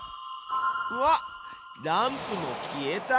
うわっランプも消えた！